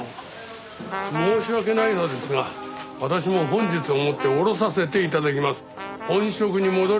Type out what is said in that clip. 申し訳ないのですが私も本日をもって降ろさせて頂きます。